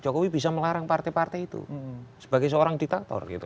jokowi bisa melarang partai partai itu sebagai seorang diktator gitu